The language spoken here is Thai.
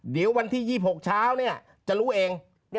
เดี๋ยววันที่๒๖เช้าจะรู้เอง